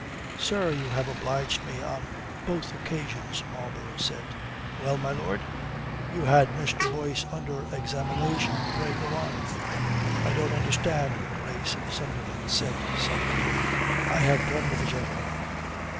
"Sir, you have obliged me on both occasions," Marlborough said. "Well, my lord? You had Mr. Boyce under examination. Pray go on." "I don't understand your Grace," Sunderland said sulkily. "I have done with the gentleman."